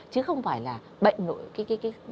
chứ không phải là bệnh nội tiết của phụ nữ